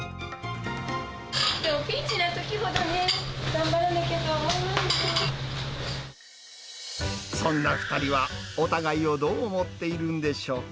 でもピンチのときほどね、そんな２人は、お互いをどう思っているんでしょうか。